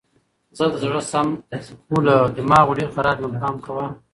زه د زړه سم خو له دماغو ډېر خراب یم پام کوه!